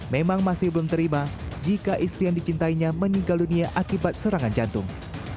memang masih belum terima jika istri yang dicintainya meninggal dunia akibat serangan jantung